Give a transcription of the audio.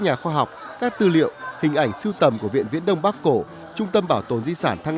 nhà khoa học các tư liệu hình ảnh sưu tầm của viện viễn đông bắc cổ trung tâm bảo tồn di sản thăng